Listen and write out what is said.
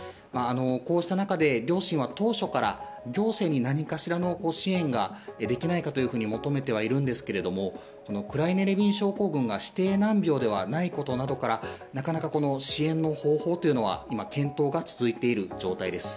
こうした中で、両親は当初から行政に何かしらの支援ができないかというふうに求めてはいるんですけれどもこのクライネ・レビン症候群が指定難病ではないことからなかなか支援の方法というのは検討が続いているというような状態です。